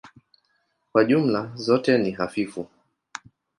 Kwa jumla zote ni hafifu.